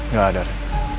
gak ada re